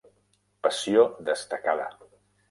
Passió destacada